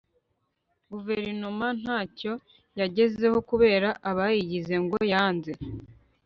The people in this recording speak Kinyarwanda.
guverinoma nta cyo yagezeho kubera abayigize ngo yanze